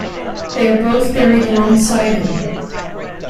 They are both buried alongside him.